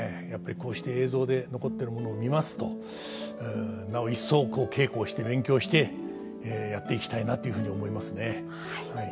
やっぱりこうして映像で残ってるものを見ますとなお一層稽古をして勉強してやっていきたいなというふうに思いますね。